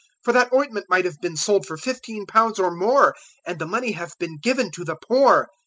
014:005 For that ointment might have been sold for fifteen pounds or more, and the money have been given to the poor."